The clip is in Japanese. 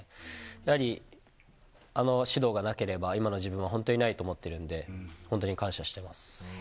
やはり、あの指導がなければ、今の自分は本当にないと思ってるんで、本当に感謝してます。